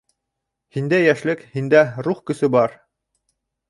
Һиндә йәшлек, һиндә Рух көсө бар.